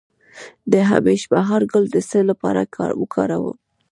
د همیش بهار ګل د څه لپاره وکاروم؟